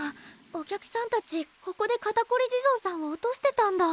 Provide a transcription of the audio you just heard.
お客さんたちここで肩こり地蔵さんを落としてたんだ。